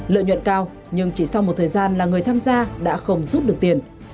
lợi nhuận cao nhưng chỉ sau một thời gian là người tham gia đã không rút được tiền